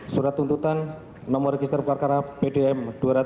surat tuntutan nomor register parkara pdm dua ratus tiga